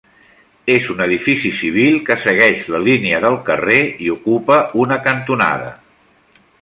És un edifici civil que segueix la línia del carrer i ocupa una cantonada.